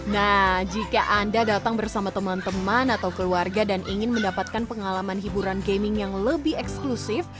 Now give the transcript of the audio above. nah jika anda datang bersama teman teman atau keluarga dan ingin mendapatkan pengalaman hiburan gaming yang lebih eksklusif